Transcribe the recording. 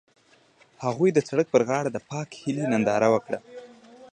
هغوی د سړک پر غاړه د پاک هیلې ننداره وکړه.